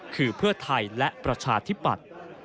คือเพื่อไทยและประชาธิปัตย์